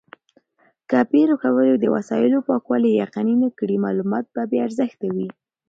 که پېیر کوري د وسایلو پاکوالي یقیني نه کړي، معلومات به بې ارزښته وي.